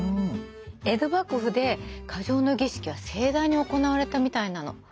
江戸幕府で嘉祥の儀式は盛大に行われたみたいなの。